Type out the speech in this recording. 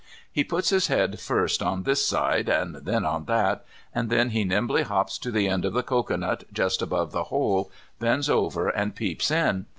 He puts his head first on this side and then on that, and then he nimbly hops to the end of the cocoanut, just above the hole, bends over, and peeps in.